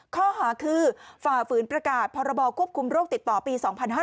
ข้อหาคือฝ่าฝืนประกาศพรบควบคุมโรคติดต่อปี๒๕๕๙